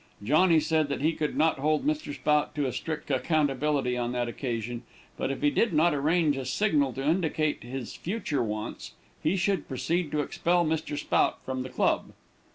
Johnny said that he could not hold Mr. Spout to a strict accountability on that occasion, but if he did not arrange a signal to indicate his future wants, he should proceed to expel Mr. Spout from the club.